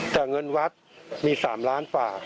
แต่เงินวัดมี๓๐๐๐๐๐๐อันฝาก